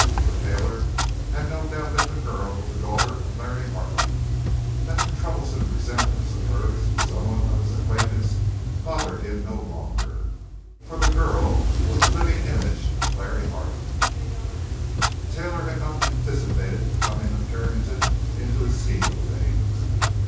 For Taylor had no doubt that the girl was the daughter of Larry Harlan. That troublesome resemblance of hers to someone of his acquaintance bothered him no longer, for the girl was the living image of Larry Harlan. Taylor had not anticipated the coming of Carrington into his scheme of things.